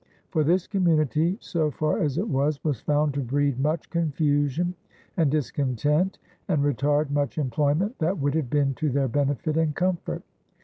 For this comunitie (so farr as it was) was found to breed much confusion and discontent, and retard much imployment that would have been to their benefite and comforte.